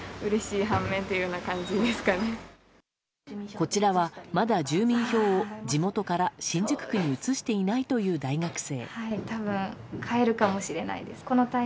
こちらは、まだ住民票を地元から新宿区に移していないという大学生。